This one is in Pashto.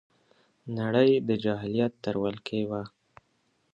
نړۍ د جاهلیت تر ولکې وه